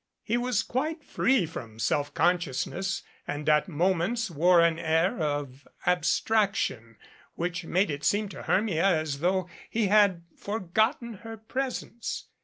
He was quite free from self consciousness and at moments wore an air of abstraction which made it seem to Hermia as though he had forgotten her presence.